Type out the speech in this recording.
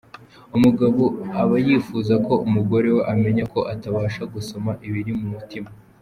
Umugabo aba yifuza ko umugore we amenya ko atabasha gusoma ibiri mu mutima.